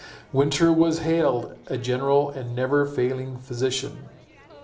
Winter was hailed, a general and never failing physician.